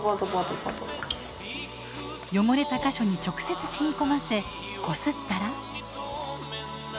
汚れた箇所に直接染み込ませこすったら。